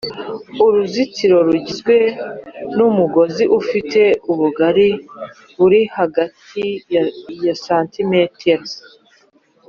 Uruzitiro rugizwe n umugozi ufite ubugari buri hagati ya santimetero